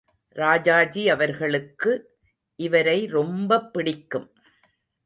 ராஜாஜி அவர்களுக்கு இவரை ரொம்பப் பிடிக்கும்.